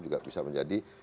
juga bisa menjadi